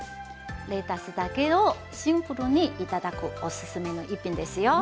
レタスだけをシンプルに頂くおすすめの一品ですよ。